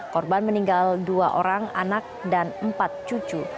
korban meninggal dua orang anak dan empat cucu